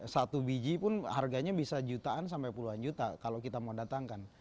satu biji pun harganya bisa jutaan sampai puluhan juta kalau kita mau datangkan